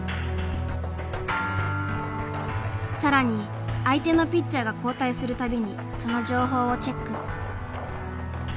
更に相手のピッチャーが交代する度にその情報をチェック。